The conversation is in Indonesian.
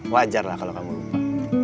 wajar lah kalau kamu lupa